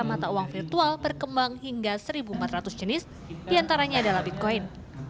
mata uang virtual berkembang hingga satu empat ratus jenis diantaranya adalah bitcoin